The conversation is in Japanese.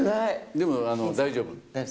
でも大丈夫。